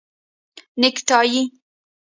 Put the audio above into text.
👔 نیکټایې